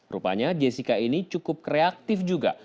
rupanya jessica ini cukup kreatif juga